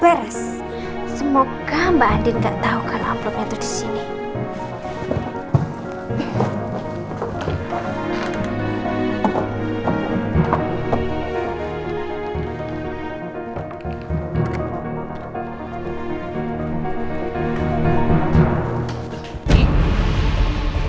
pes peres semoga mbak andin gak tau kalo amplopnya tuh disini